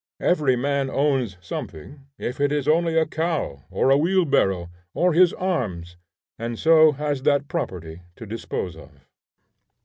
Every man owns something, if it is only a cow, or a wheel barrow, or his arms, and so has that property to dispose of.